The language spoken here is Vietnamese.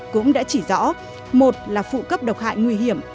cũng đã chỉ rõ một là phụ cấp độc hại nguy hiểm